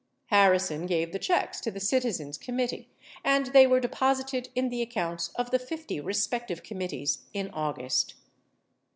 Harri son gave the checks to the Citizens Committee and they w T ere deposited in the accounts of the 50 respective committees in August.